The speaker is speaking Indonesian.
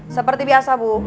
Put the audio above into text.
seperti biasa bu